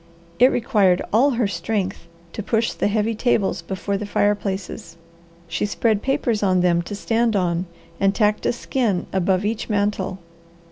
It required all her strength to push the heavy tables before the fireplaces. She spread papers on them to stand on, and tacked a skin above each mantel.